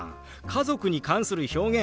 家族に関する表現